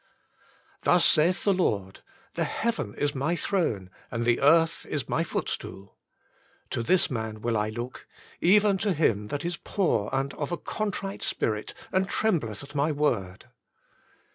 " Thus saith the Lord, The heaven is My throne, and the earth is My foot Moses and the Word of God 25 stool; to this man will I look, even to him that is Poor and of a Coxtrite Spirit, and Trem BLETH AT My Word."